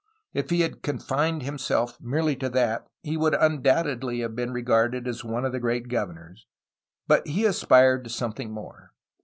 If he had confined him self merely to that, he would undoubtedly have been re garded as one of the great governors, but he aspired to some thing more.